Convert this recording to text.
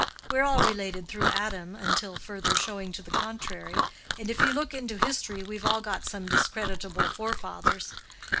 We're all related through Adam, until further showing to the contrary, and if you look into history we've all got some discreditable forefathers.